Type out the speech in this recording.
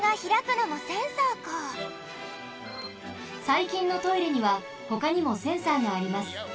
さいきんのトイレにはほかにもセンサーがあります。